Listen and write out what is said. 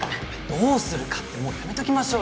「どうするか」ってもうやめときましょうよ。